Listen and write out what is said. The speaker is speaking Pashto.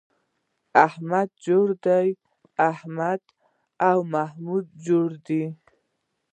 احمد جوړ دی → احمد او محمود جوړ دي